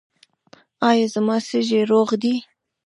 ایا زما سږي روغ دي؟